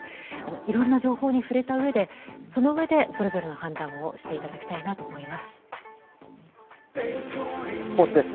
いろんな情報に触れたうえでそれぞれの判断をしていただきたいと思います。